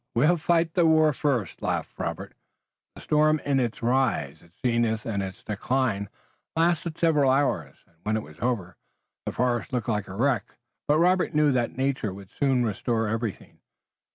"We'll fight the war first," laughed Robert. The storm in its rise, its zenith and its decline lasted several hours, and, when it was over, the forest looked like a wreck, but Robert knew that nature would soon restore everything.